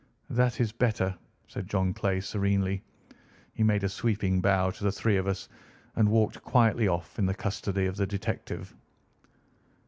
"That is better," said John Clay serenely. He made a sweeping bow to the three of us and walked quietly off in the custody of the detective.